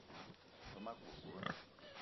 Ve ma kourkoura.